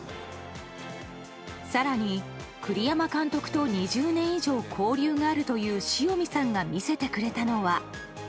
更に、栗山監督と２０年以上交流があるという塩見さんが見せてくれたのは。